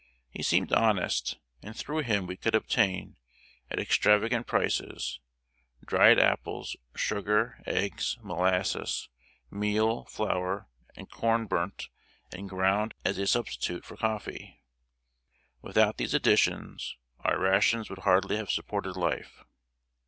He seemed honest, and through him we could obtain, at extravagant prices, dried apples, sugar, eggs, molasses, meal, flour, and corn burnt and ground as a substitute for coffee. Without these additions, our rations would hardly have supported life.